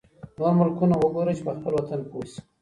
نور ملکونه وګوره چي په خپل وطن پوه شې.